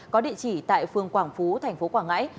có địa chỉ tại phường quảng phú thành phố quảng ngãi